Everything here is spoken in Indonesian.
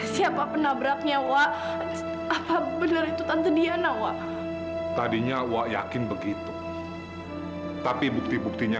sampai jumpa di video selanjutnya